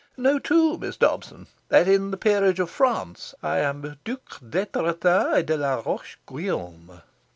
Know, too, Miss Dobson, that in the Peerage of France I am Duc d'Etretat et de la Roche Guillaume.